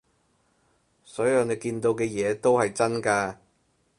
所有你見到嘅嘢都係真㗎